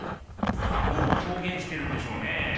何をひょうげんしてるんでしょうね？